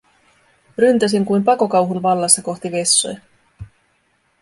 Ryntäsin kuin pakokauhun vallassa kohti vessoja.